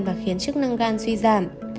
và khiến chức năng gan suy giảm